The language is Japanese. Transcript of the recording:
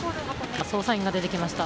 捜査員が出てきました。